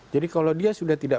jadi kalau dia sudah tidak